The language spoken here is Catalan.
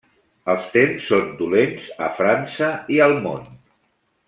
Els temps són dolents a França i al món.